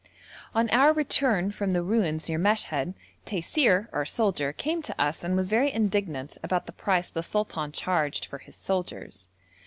On our return from the ruins near Meshed, Taisir (our soldier) came to us and was very indignant about the price the sultan charged for his soldiers.